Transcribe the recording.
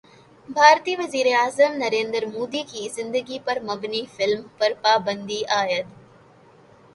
بھارتی وزیراعظم نریندر مودی کی زندگی پر مبنی فلم پر پابندی عائد